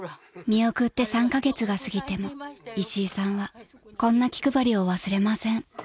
［見送って３カ月が過ぎても石井さんはこんな気配りを忘れません］